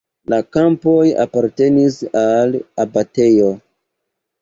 La kampoj apartenis al abatejo.